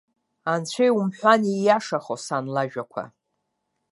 Анцәа иумҳәан ииашахо сан лажәақәа.